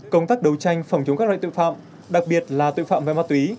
công tác đấu tranh phòng chống các loại tội phạm đặc biệt là tội phạm về ma túy